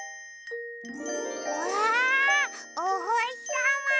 わあおほしさま！